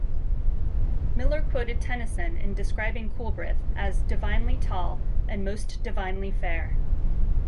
Miller quoted Tennyson in describing Coolbrith as "divinely tall, and most divinely fair".